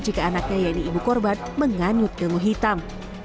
jika anaknya yeni ibu korban menganyut genguh hitam